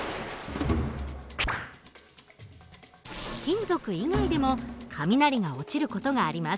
金属以外でも雷が落ちる事があります。